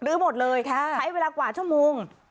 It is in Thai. หมดเลยใช้เวลากว่าชั่วโมง